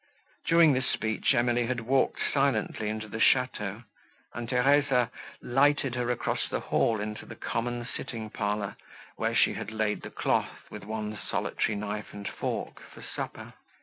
During this speech, Emily had walked silently into the château, and Theresa lighted her across the hall into the common sitting parlour, where she had laid the cloth, with one solitary knife and fork, for supper.